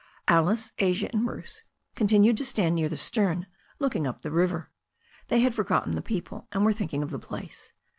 Alice, Asia and Bruce continued to stand near the stern, looking up the river. They had forgotten the people, and were thinking of the place.